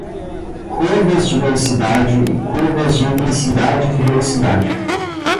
Curvas de velocidade e curvas de intensidade de velocidade.